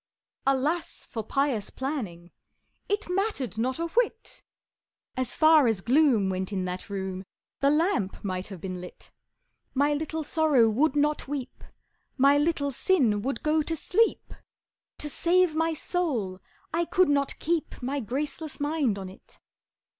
Alas for pious planning It mattered not a whit! As far as gloom went in that room, The lamp might have been lit! My little Sorrow would not weep, My little Sin would go to sleep To save my soul I could not keep My graceless mind on it!